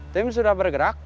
tim sudah bergerak